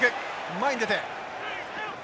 前に出て。